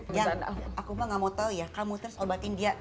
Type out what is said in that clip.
yang aku mah gak mau tau ya kamu terus obatin dia